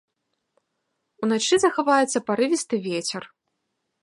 Уначы захаваецца парывісты вецер.